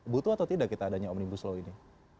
butuh atau tidak kita adanya omnibus law ini